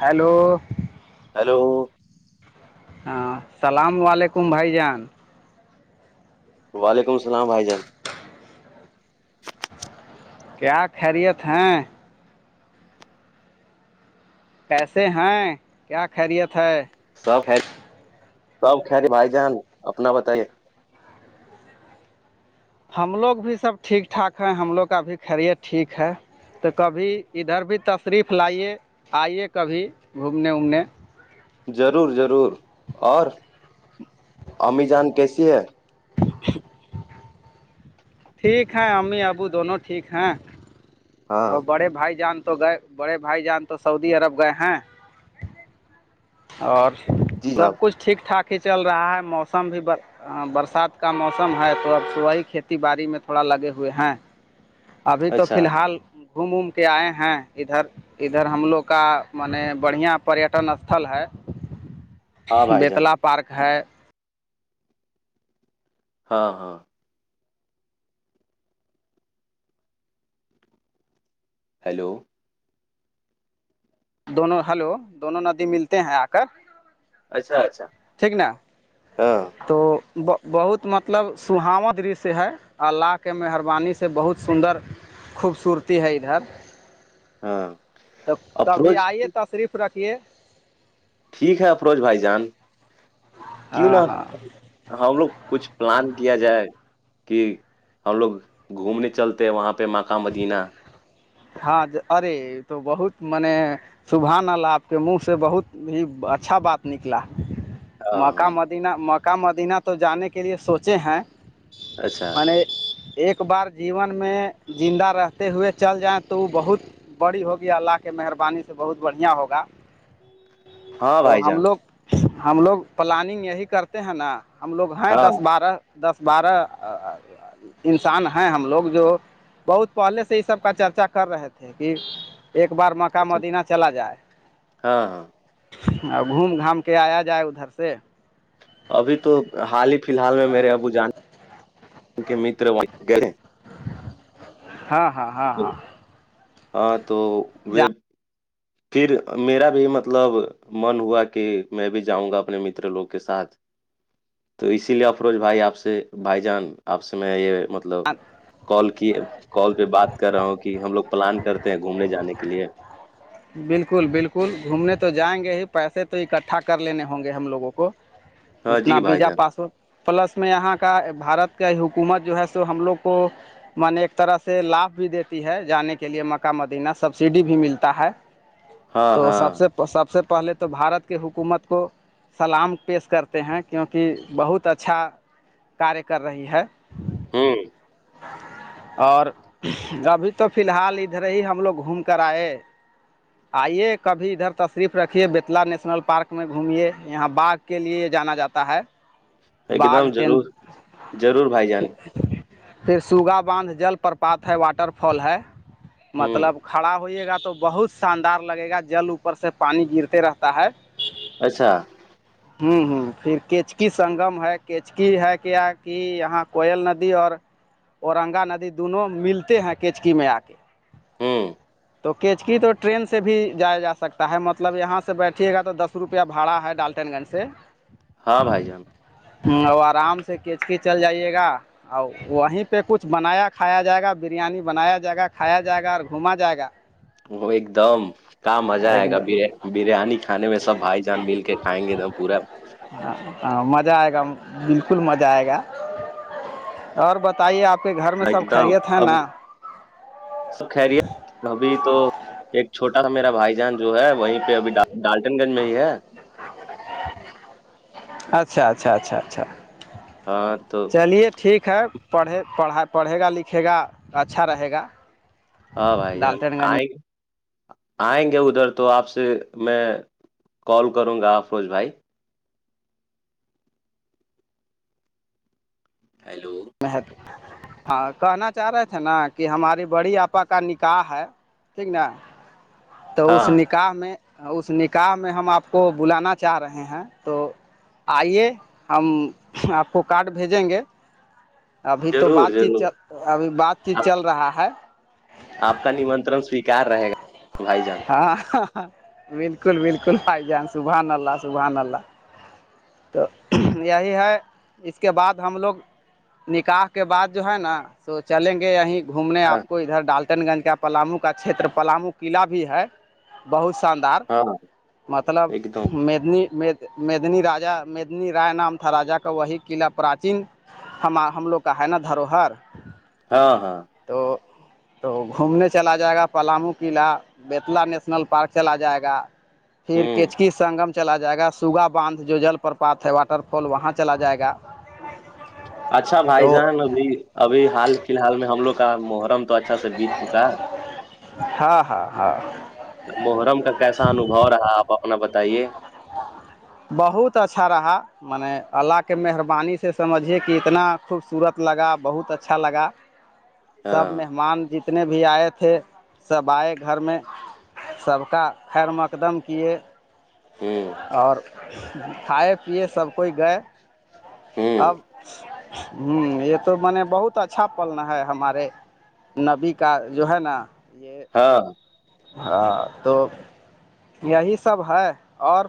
hello hello ہاں السلام علیکم بھائی جان وعلیکم السلام بھائی جان کیا خیریت ہیں کیسے ہیں کیا خیریت ہے سب خری سب خیری بھائی جان اپنا بتائیے ہم لوگ بھی سب ٹھیک ٹھاک ہے ہم لوگ کا بھیھی خیریت ٹھیک ہے تو کبھی ادھر بھی تشریف لائیے آئیے کبھی گھومنے وومنے ضرور ضرور اور امی جان کیسی ہے [inaudible] ٹھیک ہیں امی ابو دونوں ٹھیک ہیں ہاں اور بڑے بھائی جان تو گئے بڑے بھائی جان تو سعودی عرب گئے ہیں اور جی جناب سب کچھ ٹھیک ٹھاک ہی چل رہا ہے موسم بھی ب ہاں برسات کا موسم ہے تو اب صبحی کھیتی باڑی میں تھوڑا لگے ہوئے ہیں ابھی تو اچھا فی الحال گھوم اوم کے آئے ہیں ادھر ادھر ہم لوگ کا م بڑھیا پریٹن استھل ہے ہاں بھائی جان بیتلا پارک ہے ہاں ہاں ہیلو دونوں ہیلو دونوں ندی ملتے ہیں آ کر اچھا اچھا ٹھیک نا ہاں تو بہت مطلب سہو د رش ہے اللہ کے مہربانی سے بہت سندر خوبصورتی ہے ادھر ہاں تو کبھی افروج آئیے تشریف رکھیے ٹھیک ہے افروج بھائی جان کیوں نہ ہاں ہاں ہم لوگ کچھ پلان کیا جائے کہ ہم لوگ گھومنے چلتے ہیں وہاں پہ ماکہ مدینہ ہاں ارے تو بہت م نے شبحان آلا آپ کے منہ سے بہت ہی اچھا بات نکلا ہاں ہاں مکہ مدینہ مکہ مدینہ تو جانے کے لیے سوچے ہیں اچھا میں ایک بار جیون میں زندہ رہتے ہوئے چل جائیں تو وہ بہت بڑی ہوگی اللہ کے مہربانی سے بہت بڑھیا ہوگا ہاں تو بھائی ہم جان لوگ ہم لوگ پلاننگ یہی کرتے ہیں نا ہم لوگ ہیں ہاں دس بارہ دس بارہ انسان ہیں ہم لوگ جو بہت پہلے سے یہ سب کا چرچا کر رہے تھے کہ ایک بار مکہ اچھا مدینہ چلا جائے ہاں ہاں اور گھوم گھام کے آیا جائے ادھر سے ابھی تو حال ہی فی الحال میں میرے ابو جان ک مر وہ گ ہاں ہاں ہاں ہاں ہاں تو وہ پھر میرا بھی مطلب من ہوا کہ میں بھی جاؤں گا اپنے مر لوگ کے ساتھ تو اسی لیے افروج بھائی آپ سے بھائی جان آپ سے میں یہ مطلب مطلب کال کیے کال پہ بات کر رہا ہوں کہ ہم لوگ پلان کرتے ہیں گھومنے جانے کے لیے بالکل بالکل گھومنے تو جائیں گے ہی پیسے تو اکٹھا کر لینے ہوں گے ہم لوگوں کو ہاں اتنا جی بھائی وزا جان پاس ہو پلس میں یہاں کا بارت کا حکومت جو ہے تو ہم لوگ کو من ایک طرح سے لابھ بھی دیتی ہے جانے کے لیے مکہ مدینہ سبسڈی بھی ملتا ہے ہاں تو ہاں سب سے سب سے پہلے تو بھارت کے حکومت کو سلام پیش کرتے ہیں کیونکہ بہت اچھا کاریہ کر رہی ہے ہوں اور ابھی تو فی الحال ادھر ہی ہم لوگ گھوم کر آئے آئیے کبھی ادھر تشریف رکھیے بتلا نیشنل پارک میں گھومے یہااں باغ کے لیے جانا جاتا ہے ایک باغ دم تین ضرور ضرور بھائی جان پھر سوگا باندھ جل پرپات ہے واٹر فال ہے ہوں مطلب کڑا ہوے گا تو بہت شاندار لگے گا جل اوپر سے پانی گرتے رہتا ہے اچھا ہاں ہوں ہوں پھر کیچکی سنگم ہے کیچکی ہے کیا کی یہاں کوئل ندی ند اور اورنگا ندی دونوں ملتے ہیں کیچکی میں آ کے ہوں تو کیچکی تو ٹرین سے بھی جایا جا سکتا ہے مطلب یہاں سے بیٹھیے گا تو دس روپیہ باڑا ہے ڈالٹین گنج سے ہاں بائی جان ہ اور آرام سے کچک چل جائیے گا ا وہیں پہ کچھ بنایا کھایا جائے گا بریانی بنایا جائے گا کھایا جائے گا اور گھما جائے گا وہ ایک دم کہاں مزہ ایک آئے گا دم بریانی کھانے میں سب بھائی جان مل کے کھائیں گے د پورا ہاں ہاں مزہ آئے گا بالکل مزہ آئے گا اور بتائیے آپ کے گھر میں ایک سب دم خیریت ہے اب نا سب خری ہےت ابھی تو ایک چھوٹا سا میرا بھائی جان جو ہے وہیں ابھی ڈالٹن گنج میں ہی ہے اچھا اچھا اچھا اچھا ہاں تو چلیے ٹھیک ہے پڑھے پڑھا پڑھے گا لکھے گا اچھا رہے گا ہاں بھائی جان ڈالٹن گنج آئے گ آئیں گے ادھر تو آپ سے میں کال کروں گا آفروج بھائی ہیلو ہاں کہنا چاہ رہے تھے نا کہ ہماری بڑی آپا کا نکاح ہے ٹھیک نا تو اس ن ہاں نکاح میں اس نکاح میں ہم آپ کو بلانا چاہ رہے ہیں تو آئیے ہم آپ کو کارڈ بھیجیں گے ابھی تو ضرور بات چیت ضرور چ ابھی بات چیت آپ چل رہا ہے آپ کا نمنترن سویکار رہے گا بھائی جان ہاں بالکل بالکل بھائی جان شبحان اللہ شبحان اللہ تو یہی ہے اس کے بعد ہم لوگ نکاح کے بعد جو ہے نا تو چلیں گے یہیں گھومنے ہاں آپ کو ادھر ڈالٹن گنج کا پلامو کا چھیتر پلامو قلع بھی ہے بہت شاندار ہاں مطلب ایک دم مد مدنی راج مدنی رائے نام تھا راجا کا وہی قلع پراچین ہمار ہم لوگ کا ہے نا دھروہر ہاں ہاں تو تو گھومنے چلا جائے گا پلامو قلعہ بیتلا نیشنل پارک چلا جائے گا پھر ہوں کچکی سنگم چلا جائے گا سوگا باندھ جو جل پر پات ہے واٹر فال وہاں چلا جائے گا اچھا بھائی تو جان ابھی ابھی حال فی الحال میں ہم لوگ کا محرم تو اچھا سے بیت چکا ہے ہاں ہاں ہاں محرم کا کیسا انوبو رہا آپ اپنا بتائیے بہت اچھا رہا م نے اللہ کے مہربانی سے سمجھیے کہ اتنا خوبصورت لگا بہت اچھا لگا سب ہاں مہمان جتنے بھی آئے تھے سب آئے گھر میں س کا خیر مقدم کیے ہوں اور کھائے پیے سب کوئی گئے ہوں اب ہوں یہ تو م نے بہت اچھا پن ہے ہمارے نبی کا جو ہے نا یہ ہاں ہاں تو یہی سب ہے اور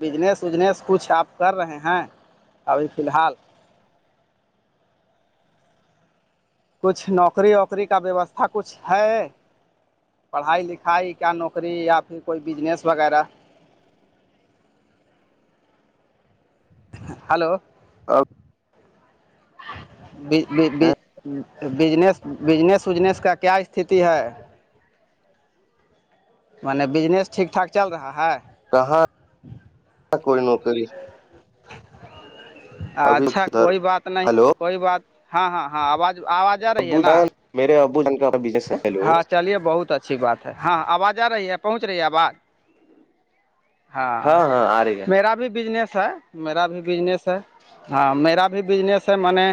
بجنس اجنس کچھ آپ کر رہے ہیں ابھی فی الحال کچھ نوکری ووکری کا ویوستھا کچھ ہے پڑھائی لکھائی کیا نوکری یا پھر کوئی بجنس وغیرہ ہلو [inaudible] ہیں جس بجنس اجنس کا کیا استتی ہے مان بجنس ٹھ ٹھاک چل رہا ہے کہاں کوئی نوکری ابھی اچھا کدھر کوئی بات نہیں ہلو کوئی بات ہاں ہاں ہاں آواز آواز آ رہی ابو ہے نا جان میرے ابو جان کالو بتچا اچھی بات ہے ہاں آواز آ رہی ہے پہنچ رہی ہے آواز ہاں ہاں آ رہی ہے میرا بھی بجنس ہے میرا بھی بجنس ہے ہاں میرا بھی بزنس ہے میں نے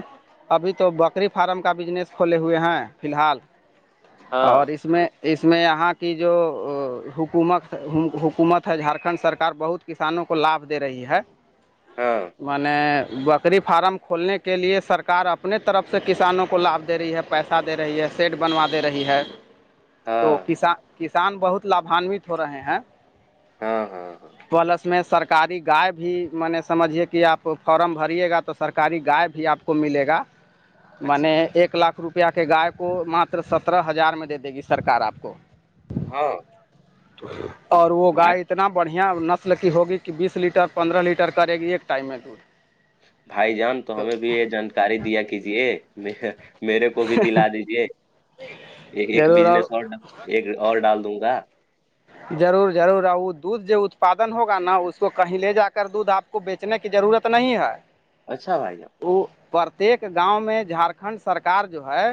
ابھی تو بکری فارم کا بزنس کھولے ہوئے ہیں فی الحال ہاں اور اس میں اس میں یہاں کی جو حکومت حکومت ہے جھارکھنڈ سرکار بہت کسانوں کو لابھ دے رہی ہے ہاں میں نے بکری فارم کھولنے کے لیے سرکار اپنے طرف سے کسانوں کو لابھ دے رہی ہے پیسہ دے رہی ہے سیٹ بنوا دے رہی ہے تو ہاں کسان کسان بہت لھانوت ہو رہے ہیں ہاں ہاں ہاں پلس میں سرک سرکاری گائے بھی میں نے سمجھیے کہ آپ فارم بریے گا تو سرکاری گائے بھی آپ کو ملے گا م اچھا ایک لاکھ روپیہ کے گائے کو ماتر سترہ ہزار میں دے دے گی سرکار آپ کو ہاں اور وہ بھائی گائے اتنا بڑھیا یہاں نسل کی ہوگی کہ بیس لیٹر پندرہ لیٹر کرے گی ایک ٹائم میں دودھ بھائی جان تو ہمیں بھی یہ جانکاری دیا کیجے میرے کو بھی دلا دیجیے ایک بجنس اور ایک اور ڈال دوں گا ضرور ضرور آؤ دودھ جو اتپادن ہوگا نا اس کو کہیں لے جا کر دودھ آپ کو بیچنے کی ضرورت نہیں ہے اچھا بھائی جب وہ پرتیک گاؤں میں جھارکھنڈ سرک جو ہے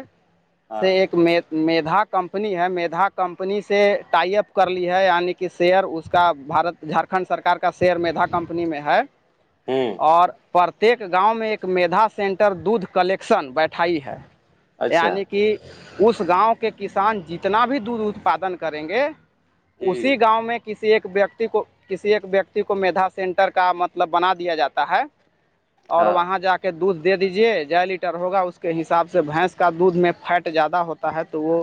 ہاں سے ایک م میھا کمپنی ہے مھا کمپنی سے ٹائ اپ کر لی ہے یعنی کہ شیئر اس کا بارت جھارکھنڈ سرک کا شیئر میھا کمپنی میں ہے [unintelligible] ہوں اور پرتیک گاؤں میں ایک میھا سینٹر دودھ کلیکشن بیٹھائی ہے اچھا یعنی کہ اس گاؤں کے کسان جتنا بھی دودھ اتپادن کریں گے ہوں اسی گاؤں میں کسی ایک ویکتی کو کسی ایک ویکتی کو میھا سینٹر کا مطلب بنا دیا جاتا ہے اور ہاں وہاں جا کے کے دودھ دے دیجے جیا لیٹر ہوگا اس کے حساب سے بھینس کا دودھ میں فیٹ زیادہ ہوتا ہے تو وہ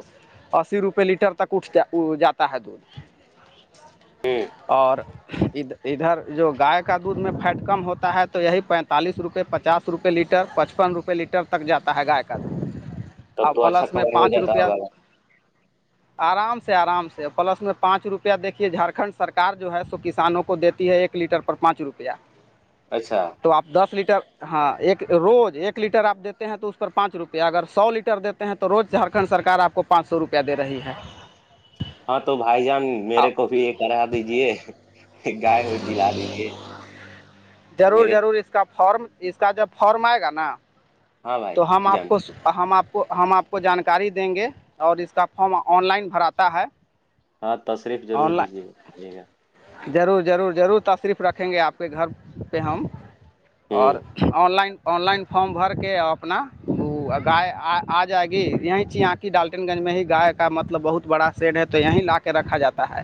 اسی روپئے لیٹر تک اٹھتا جاتا ہے دودھ ایک اور ادھر جو گائے کا دودھ میں فیٹ کم ہوتا ہے تو یہی پینتالیس روپئے پچاس دس روپئے لیٹر پچپن روپئے لیٹر تک جاتا ہے گائے کا اور تب تو اچھا پلس میں کمائی ہو پانچ جاتا روپیہ ہوگا آرام سے آرام سے پلس میں پانچ روپیہ دیکھیے جھارکھنڈ سرکار جو ہے سو کسانوں کو دیتی ہے ایک لیٹر پر پانچ روپیہ ہ اچھا تو آپ دس لیٹر ہاں ایک روز ایک لیٹر آپ دیتے ہیں تو اس پر پانچ روپئے اگر سو لیٹر دیتے ہیں تو روز جھارکھنڈ سرار آ کو پانچ سو روپ دے رہی ہے ہاں تو بھائی جان میرے کو بھی یہ کرا دیجے گائے ہوئے دلا دیے ضرور میرے ضرور اس کا فارم اس کا جب فارم آئے گا نا ہاں بھائی تو ہم آپ جان کو ہم آپ کو ہم آپ کو جانکاری دیں گے اور اس کا فام آن لائن بھراتا ہے ہاں تشریف آن ضرور دیجیے لائن گا ٹھیک ہے ضرور ضرور ضرور تشریف رکھیں گے آپ کے گھر پہ ہم اور ہوں online online form بھر کے اپنا گائے آ جائے گی یہیں چ آ کی ڈالٹن گنج میں ہی گائے کا مطلب بہت بڑا سیڈ ہے تو یہیں لا کے رکھا جاتا ہے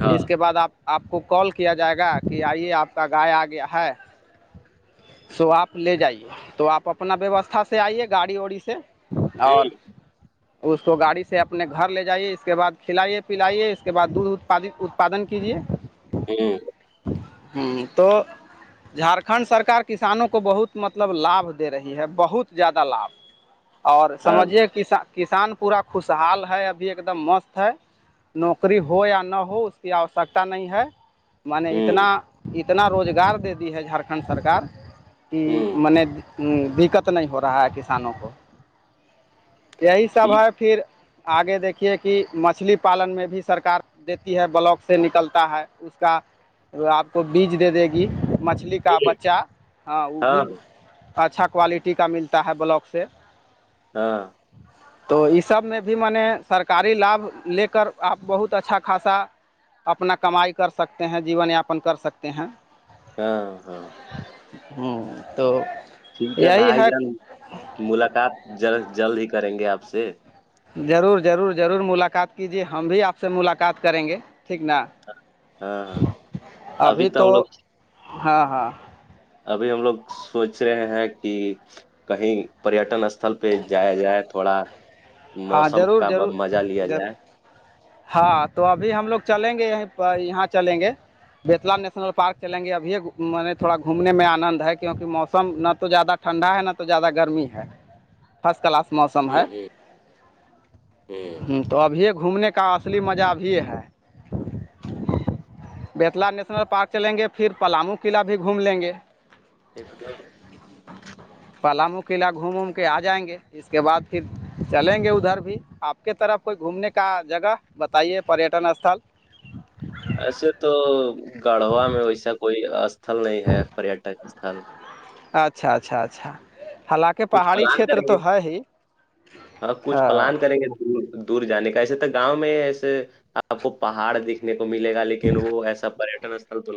ہاں اس کے بعد آپ آپ کو کال کیا جائے گا کہ آئیے آپ کا گائے آ گیا ہے سو آپ لے جائیے تو آپ اپنا ویوستھا سے آئیے گاڑی ووڑی سے اور ہوں اس کو گاڑی سے اپنے گھر لے جائیے اس کے بعد کھلائیے پلائیے اس کے بعد دودھ اتپاد اتپادن کیجیے ہ ہ تو جھارکھنڈ سرکار کسانوں کو بہت مطلب لابھ دے رہی ہے بہت زیادہ لابھ اور ہاں سمجھیے کس کسان پورا خوشحال ہے ابھی ایک دم مست ہے نوکری ہو یا نہ ہو اس کی آوشک نہیں ہے میں نے اتنا ہوں اتنا روزگار دے دی ہے جھارکھنڈ سرکار کہ ہوں م نے دقت نہیں ہو رہا ہے کسانوں کو یہی سب ٹھیک ہے پھر آگے دیکھیے کہ مچھلی پالن میں بھی سرک دیتی ہے بلاکس سے نکلتا ہے اس کا آپ کو بیج دے دے گی مچھلی مچھلی کا ہے بچہ ہاں وہ بھی اچھا کوالٹی کا ملتا ہے بلاک سے ہاں تو اس سب میں بھی میں نے سرکاری لابھ لے کر آپ بہت اچھا خاصا اپنا کمائی کر سکتے ہیں جیون یاپن کر سکتے ہیں ہاں ہاں ہوں تو ٹھیک ہے بھائی جان ملاقات جلد ہی کریں گے آپ سے ضرور ضرور ضرور ملاقات کیجیے ہم بھی آپ سے ملاقات کریں گے ٹھیک نا ہاں ہاں ابھی تو ہاں ہاں ابھی ہم لوگ سوچ رہے ہیں کہ کہیں پریٹن اسھل پہ جایا جائے تھوڑا ہاں موسم ضرور کا ضرور مزہ لیا ضرور جائے ہاں تو ابھی ہم لوگ چلیں گے یہیں پر یہاں چلیں گے بیتلا نیشنل پارک چلیں گے ابھی میں نے تھوڑا گھومنے میں آنند ہے کیونکہ موسم نہ تو زیادہ ٹھنڈا ہے ن تو زیادہ گرمی ہے فرسٹ کلاس موسم ہ ہے ہ ہ ہوں تو ابھی گھومنے کا اصلی مزہ بھی ہے بیتلا نیشنل پارک چلیں گے پھر پلامو قلعہ بھی گھوم لیں گے ایک دو پلامو قلعہ گھوم ووم کے آ جائیں گے اس کے بعد پھر چلیں گے ادھر بھی آپ کے طرف کوئی گھومنے کا جگہ بتائیے پٹن اسھل ایسے تو گڑھوا میں ویسا کوئی استھل نہیں ہے پریٹک اسھل اچھا اچھا اچھا ہال کے کچھ پہاڑی پلان چھیتر کریں تو گے ہے ہی کچھ ہاں پلان کریں گے دور جانے کا ایسے تو گاؤں میں ایسے آپ کو پہاڑ د کو ملے گا لیکن وہ ایسا پریٹن استل تو نہیں